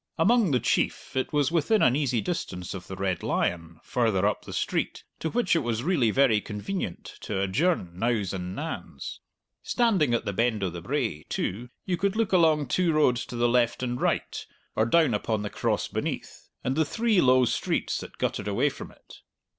Among the chief it was within an easy distance of the Red Lion, farther up the street, to which it was really very convenient to adjourn nows and nans. Standing at the Bend o' the Brae, too, you could look along two roads to the left and right, or down upon the Cross beneath, and the three low streets that guttered away from it.